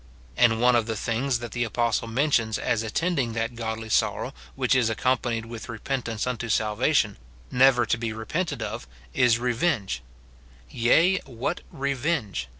And one of the things that the apostle men tions as attending that godly sorrow which is accompa nied Avith repentance unto salvation, never to be repented of, is revenge: "Yea, what revenge!"